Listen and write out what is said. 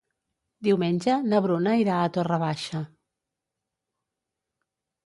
Diumenge na Bruna irà a Torre Baixa.